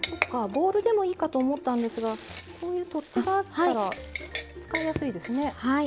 ボウルでもいいかと思ったんですがこういう取っ手があったら使いやすいですね。